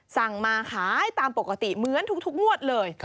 สั่งมาขายตามปกติเหมือนทุกงวดเลย